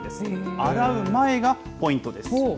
洗う前がポイントです。